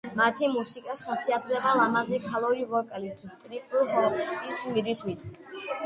მათი მუსიკა ხასიათდება ლამაზი ქალური ვოკალით, ტრიპ-ჰოპის რიტმით.